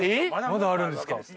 まだあるんですか？